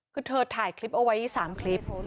คือเธอถ่ายคลิปเอาไว้๓คลิป